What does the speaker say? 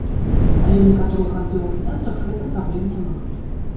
Але ў некаторых гандлёвых цэнтрах з гэтым праблем няма.